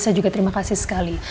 saya juga terima kasih sekali